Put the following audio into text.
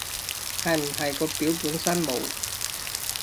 係唔係個表本身冇